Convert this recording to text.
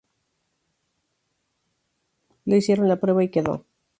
Le hicieron la prueba y quedó.